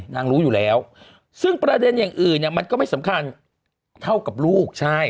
รู้อยู่แล้วซึ่งประเด็นอย่างอื่นเนี่ยมันก็ไม่สำคัญเท่ากับลูกใช่